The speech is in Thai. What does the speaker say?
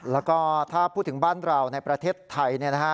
แล้วก็ถ้าพูดถึงบ้านเราในประเทศไทย